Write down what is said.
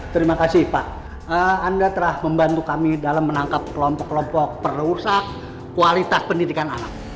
terima kasih pak anda telah membantu kami dalam menangkap kelompok kelompok perusak kualitas pendidikan anak